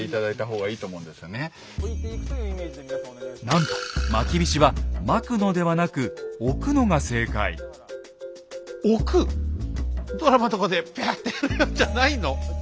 なんとまきびしはまくのではなく置く⁉ドラマとかでビャッてやるんじゃないの？